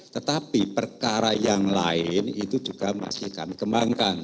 tetapi perkara yang lain itu juga masih kami kembangkan